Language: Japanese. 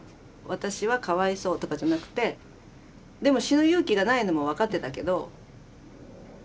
私はかわいそうとかじゃなくてでも死ぬ勇気がないのも分かってたけど。